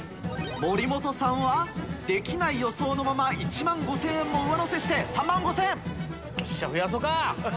森本さんは「できない」予想のまま１万５０００円上乗せして３万５０００円よっしゃ増やそうか。